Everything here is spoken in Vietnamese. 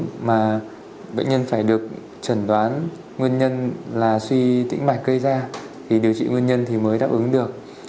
nhưng mà bệnh nhân phải được trần đoán nguyên nhân là suy tĩnh mạch gây ra thì điều trị nguyên nhân thì mới đáp ứng được